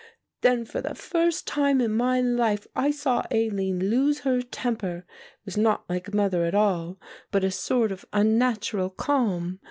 "Then for the first time in my life I saw Aline lose her temper. It was not like mother at all, but a sort of unnatural calm.